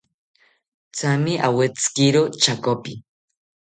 Thame awetzikiro chekopi